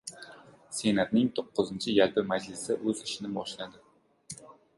Senatning to‘qqizinchi yalpi majlisi o‘z ishini boshladi